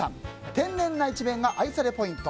天然な一面が愛されポイント。